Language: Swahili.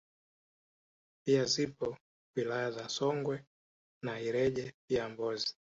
pia zipo wilaya za Songwe na Ileje pia Mbozi